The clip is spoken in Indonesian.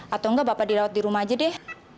atau enggak bapak dirawat di rumah aja deh